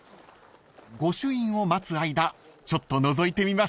［御朱印を待つ間ちょっとのぞいてみましょう］